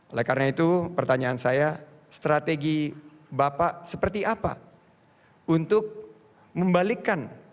oleh karena itu pertanyaan saya strategi bapak seperti apa untuk membalikkan